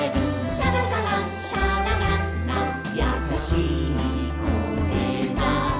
「シャラシャラシャラララやさしい声だね」